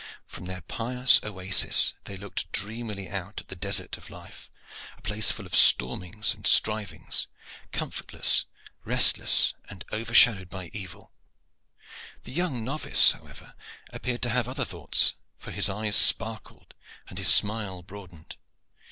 From their pious oasis they looked dreamily out at the desert of life, a place full of stormings and strivings comfortless, restless, and overshadowed by evil. The young novice, however, appeared to have other thoughts, for his eyes sparkled and his smile broadened.